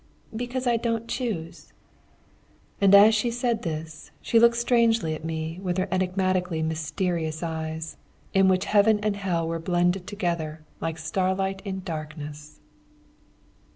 "Because I don't choose." And as she said this she looked strangely at me with her enigmatically mysterious eyes, in which heaven and hell were blended together like starlight in darkness!